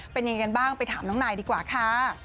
เป็นยังไงกันบ้างไปถามน้องนายดีกว่าค่ะ